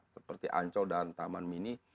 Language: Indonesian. seperti ancol dan taman mini